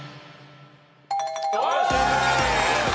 正解。